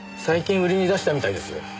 最近売りに出したみたいです。